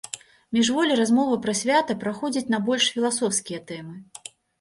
Міжволі размова пра свята пераходзіць на больш філасофскія тэмы.